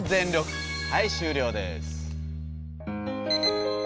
はい終了です。